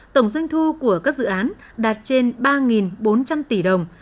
tổng doanh thu của các dự án đạt trên ba bốn trăm linh tỷ đồng